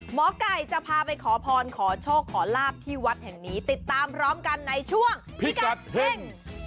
หมอไก่จะพาไปขอพรขอโชคขอลาบที่วัดแห่งนี้ติดตามพร้อมกันในช่วงพิกัดเฮ่ง